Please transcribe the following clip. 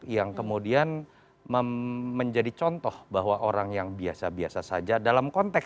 yang kemudian menjadi contoh bahwa orang yang biasa biasa saja dalam konteks